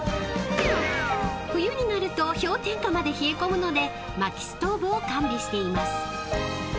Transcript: ［冬になると氷点下まで冷え込むのでまきストーブを完備しています］